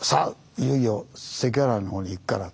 いよいよ関ケ原のほうに行くから。